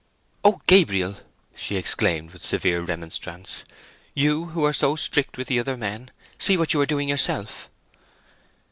"Oh, Gabriel!" she exclaimed, with severe remonstrance, "you who are so strict with the other men—see what you are doing yourself!"